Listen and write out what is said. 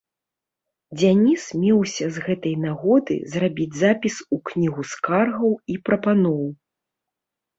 Дзяніс меўся з гэтай нагоды зрабіць запіс у кнігу скаргаў і прапаноў.